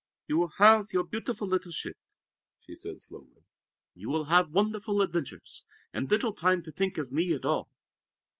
"You will have your beautiful little ship," she said slowly. "You will have wonderful adventures and little time to think of me at all.